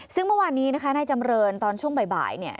ซึ่งเมื่อวานนี้นะคะนายจำเรินตอนช่วงบ่ายเนี่ย